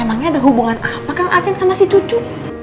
emangnya ada hubungan apa kang acing sama si cucu